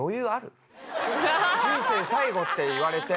人生最後って言われて。